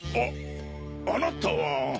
ああなたは？